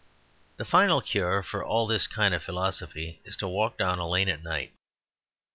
The final cure for all this kind of philosophy is to walk down a lane at night.